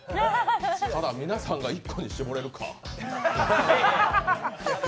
ただ、皆さんが１個に絞れるか。